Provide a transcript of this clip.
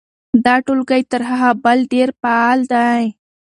دا ټولګی تر هغه بل ډېر فعال دی.